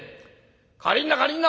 借りんな借りんな！